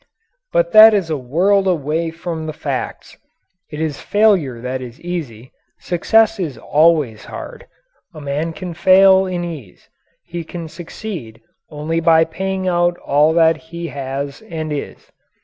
But that is a world away from the facts. It is failure that is easy. Success is always hard. A man can fail in ease; he can succeed only by paying out all that he has and is.